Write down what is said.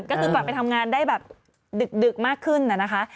ก็คือกลับไปทำงานได้แบบดึกมากขึ้นนะคะ